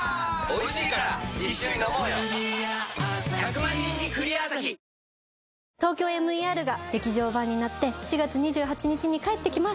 １００万人に「クリアアサヒ」「ＴＯＫＹＯＭＥＲ」が劇場版になって４月２８日に帰ってきます